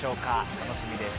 楽しみです。